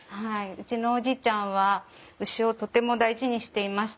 うちのおじいちゃんは牛をとても大事にしていました。